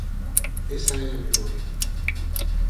Esa é a memoria.